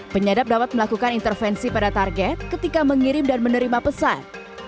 penyadap dapat melakukan intervensi pada target ketika mengirim dan menerima pesan